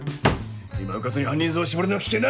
今うかつに犯人像を絞るのは危険だ！